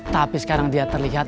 tapi sekarang dia terlihat